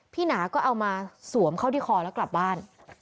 หนาก็เอามาสวมเข้าที่คอแล้วกลับบ้าน